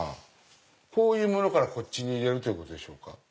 こういうものからこっちに入れるということでしょうか？